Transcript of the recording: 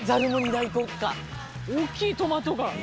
大特価」大きいトマトが。